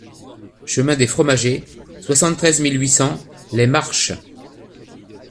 Chemin des Fromagets, soixante-treize mille huit cents Les Marches